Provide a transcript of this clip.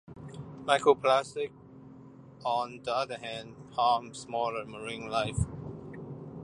Microplastics on the other hand harm smaller marine life.